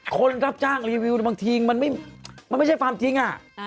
คนรับจ้างรีวิวบางทีมันไม่มันไม่ใช่ความทิ้ง